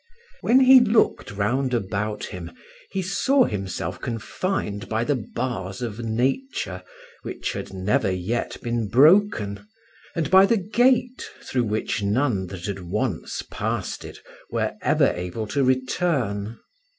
When he looked round about him, he saw himself confined by the bars of nature, which had never yet been broken, and by the gate through which none that had once passed it were ever able to return.